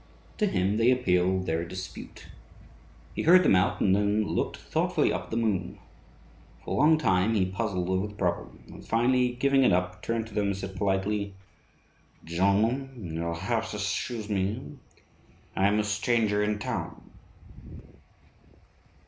To him they appealed their dispute. He heard them out, and then looked thoughtfully up at the moon. For a long time he puzzled over the problem, and finally, giving it up, turned to them and said politely, 'Gentlemen, you'll have to 'scuse me. I'm a stranger in town.'